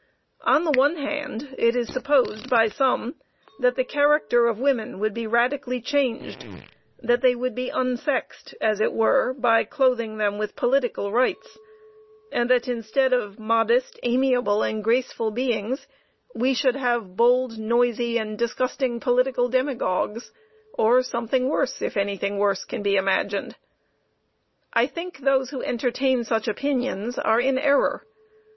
On the one hand it is supposed by some that the character of women would be radically changed that they would be unsexed, as it were, by clothing them with political rights, and that instead of modest, amiable and graceful beings, we should have bold, noisy and disgusting political demagogues, or something worse, if anything worse can be imagined. I think those who entertain such opinions are in error.